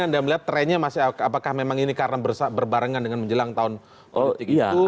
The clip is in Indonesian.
anda melihat trennya masih apakah memang ini karena berbarengan dengan menjelang tahun politik itu